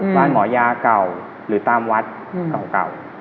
บ้านหมอยาเก่าหรือตามวัดเก่า